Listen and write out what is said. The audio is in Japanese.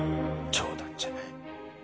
冗談じゃない。